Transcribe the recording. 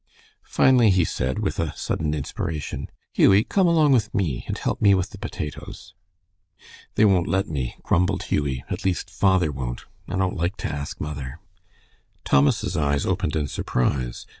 Finally he said, with a sudden inspiration, "Hughie, come along with me, and help me with the potatoes." "They won't let me," grumbled Hughie. "At least father won't. I don't like to ask mother." Thomas's eyes opened in surprise.